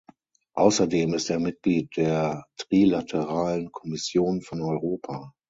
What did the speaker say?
Außerdem ist er Mitglied der Trilateralen Kommission von Europa.